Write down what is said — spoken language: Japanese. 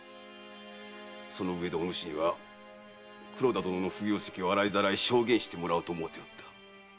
そのうえでおぬしには黒田殿の不行跡を洗いざらい証言してもらおうと思うておった。